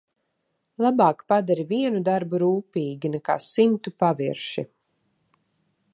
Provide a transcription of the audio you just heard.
Labāk padari vienu darbu rūpīgi nekā simtu pavirši.